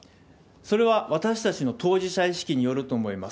それは私たちの当事者意識によると思います。